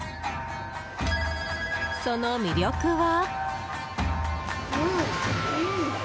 その魅力は？